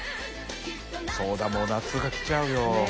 そうだもう夏が来ちゃうよ。